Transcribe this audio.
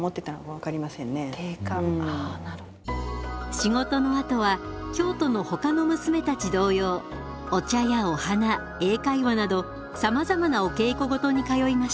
仕事のあとは京都のほかの娘たち同様お茶やお花英会話などさまざまなお稽古事に通いました。